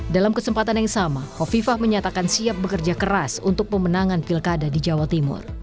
dalam kesempatan yang sama hovifah menyatakan siap bekerja keras untuk pemenangan pilkada di jawa timur